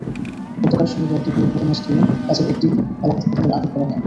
গতকাল শনিবার দুপুরে ঘটনাস্থলের কাছের একটি এলাকা থেকে তাঁদের আটক করা হয়।